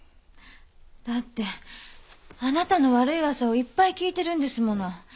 だってあなたの悪い噂をいっぱい聞いてるんですもの。